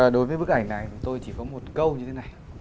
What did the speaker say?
đối với bức ảnh này tôi chỉ có một câu như thế này